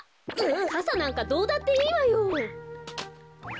かさなんかどうだっていいわよ。